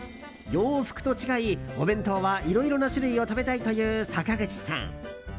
洋服と違い、お弁当はいろいろな種類を食べたいという坂口さん。